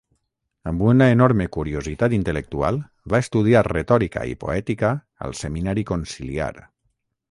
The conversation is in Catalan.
Amb una enorme curiositat intel·lectual, va estudiar retòrica i poètica al Seminari Conciliar.